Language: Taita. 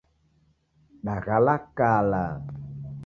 Daghala kala